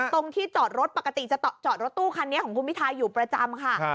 ตรงที่จอดรถปกติจะจอดรถตู้คันนี้ของคุณพิทาอยู่ประจำค่ะ